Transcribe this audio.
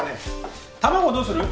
卵どうする？